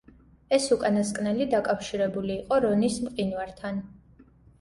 ეს უკანასკნელი დაკავშირებული იყო რონის მყინვართან.